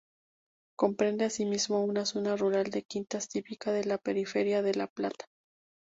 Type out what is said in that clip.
Comprende asimismo una zona rural de quintas típica de la periferia de La Plata.